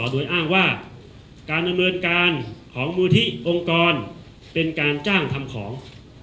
โดยอ้างว่าการดำเนินการของมูลที่องค์กรเป็นการจ้างทำของ